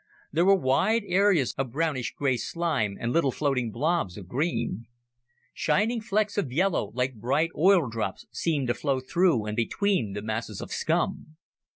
There were wide areas of brownish gray slime and little floating blobs of green. Shining flecks of yellow, like bright oil drops, seemed to flow through and between the masses of scum.